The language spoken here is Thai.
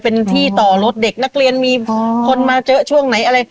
เป็นที่ต่อรถเด็กนักเรียนมีคนมาเจอช่วงไหนอะไร